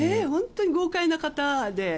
本当に豪快な方で。